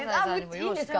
いいんですか？